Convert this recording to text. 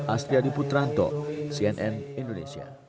astri adi putranto cnn indonesia